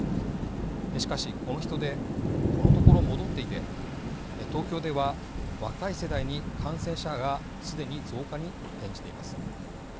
しかしこの人出このところ戻っていて東京では若い世代に感染者がすでに増加に転じています。